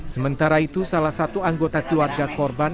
sementara itu salah satu anggota keluarga korban